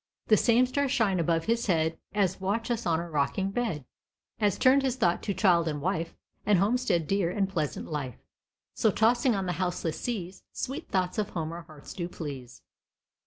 The same stars shine above his head As watch us on our rocking bed; As turned his thoughts to child and wife, And homestead dear, and pleasant life; So, tossing on the houseless seas Sweet thoughts of home our hearts do please.